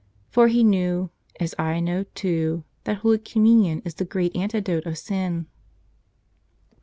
For he knew, as I know, too, that Holy Communion is the great antidote of sin.